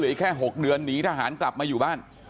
อีกแค่๖เดือนหนีทหารกลับมาอยู่บ้าน